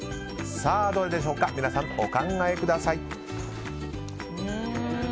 どれでしょうか皆さん、お考えください。